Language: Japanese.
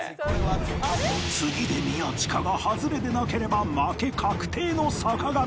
次で宮近がハズレでなければ負け確定の坂上